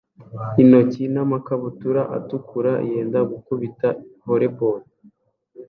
yintoki namakabutura atukura yenda gukubita volley ball